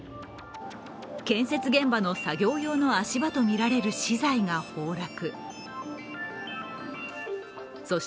建設現場の作業用の足場とみられる資材が崩落。